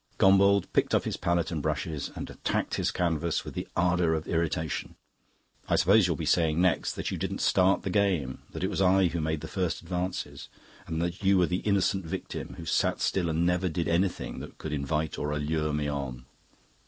Gombauld picked up his palette and brushes and attacked his canvas with the ardour of irritation. "I suppose you'll be saying next that you didn't start the game, that it was I who made the first advances, and that you were the innocent victim who sat still and never did anything that could invite or allure me on."